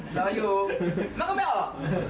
รออยู่เขาก็ไม่ออก